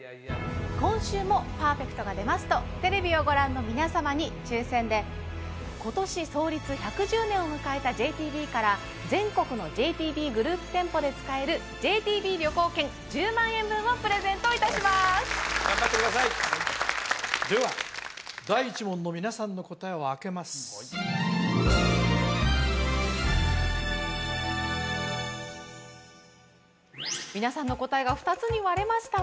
今週もパーフェクトが出ますとテレビをご覧の皆様に抽選で今年創立１１０年を迎えたＪＴＢから全国のＪＴＢグループ店舗で使えるＪＴＢ旅行券１０万円分をプレゼントいたします頑張ってくださいでは第１問の皆さんの答えをあけます皆さんの答えが２つに割れました